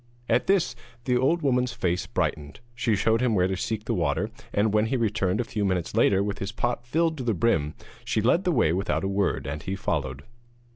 At this the old woman's face brightened. She showed him where to seek the water, and when he returned a few minutes later with his pot filled to the brim, she led the way without a word, and he followed.